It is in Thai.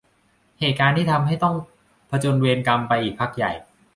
เหตุการณ์ทำให้ต้องผจญเวรกรรมไปอีกพักใหญ่